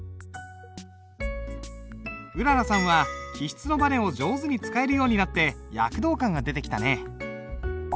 うららさんは起筆のばねを上手に使えるようになって躍動感が出てきたね。